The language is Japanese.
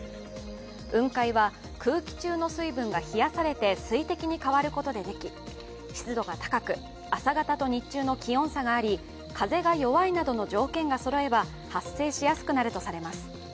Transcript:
雲海は空気中の水分が冷やされたことで水滴に変わったことででき、湿度が高く、朝方と日中の気温差があり風が弱いなどの条件がそろえば発生しやすくなるとされます。